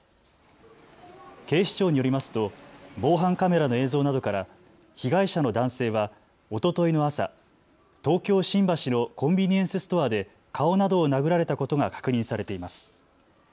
警視庁によりますと防犯カメラの映像などから被害者の男性はおとといの朝、東京新橋のコンビニエンスストアで顔などを殴られたことが確認されています。